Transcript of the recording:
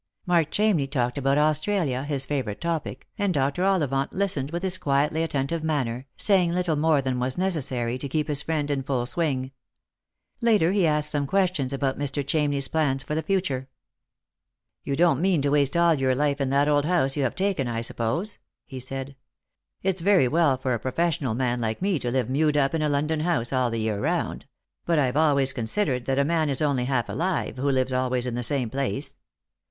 Mark Chamney talked about Australia, his favourite topic, and Dr. Ollivant listened with his quietly attentive manner, saying little more than was necessary to keep his friend in full swing. Later he asked some questions about Mr. Chamney's plans for the future. " Ton don't mean to waste all your life in that old house yofl have taken, I suppose P " he said. " It's very well for a pro fefsional man like me to live mewed up in a London house all the year round ; but I've always considered that a man is only half alive who lives always in the same place.